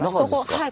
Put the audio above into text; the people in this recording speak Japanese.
はい。